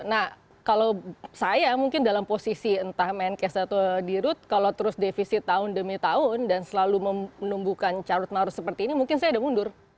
nah kalau saya mungkin dalam posisi entah menkes atau di rut kalau terus defisit tahun demi tahun dan selalu menumbuhkan carut marut seperti ini mungkin saya udah mundur